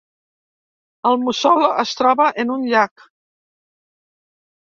El mussol el troba en un llac.